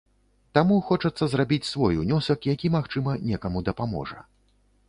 Таму хочацца зрабіць свой унёсак, які магчыма, некаму дапаможа.